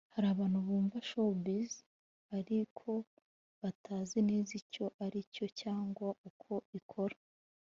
Hari abantu bumva showbiz ariko batazi neza icyo ari cyo cyangwa uko ikora